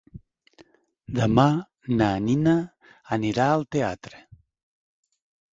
Demà na Nina irà al teatre.